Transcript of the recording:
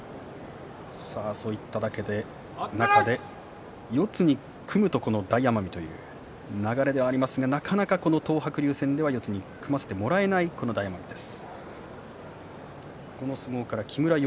そういった中で四つに組むと大奄美という流れですがなかなか東白龍戦では四つに組ませてもらえないところです。